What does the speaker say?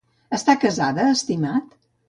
Està casada, estimat?